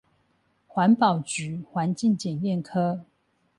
環保局環境檢驗科